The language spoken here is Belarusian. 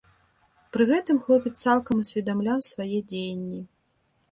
Пры гэтым хлопец цалкам усведамляў свае дзеянні.